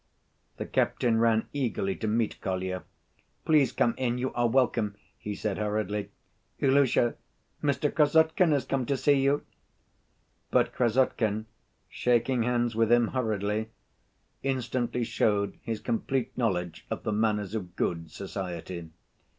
The captain ran eagerly to meet Kolya. "Please come in ... you are welcome!" he said hurriedly. "Ilusha, Mr. Krassotkin has come to see you!" But Krassotkin, shaking hands with him hurriedly, instantly showed his complete knowledge of the manners of good society.